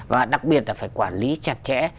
và đặc biệt là phải quản lý chặt chẽ